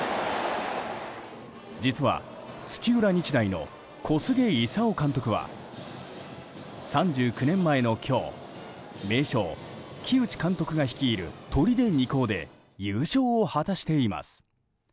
実は、土浦日大の小菅勲監督は３９年前の今日名将・木内監督が率いる取手二校で優勝を果たしています。